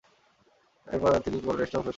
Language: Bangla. এরপর আর তিনি কোন টেস্টে অংশগ্রহণের সুযোগ পাননি।